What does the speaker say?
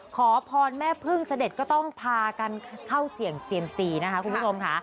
ขอพรแม่พึ่งเสด็จก็ต้องพากันเข้าเสี่ยงเซียมซีนะคะคุณผู้ชมค่ะ